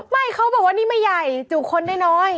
ไม่เขาบอกว่านี่ไม่ใหญ่จุคนได้น้อย